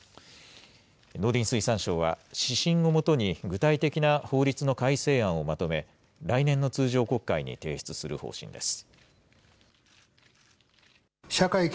農林水産省は、指針をもとに具体的な法律の改正案をまとめ、来年の通常国会に提出する方針です。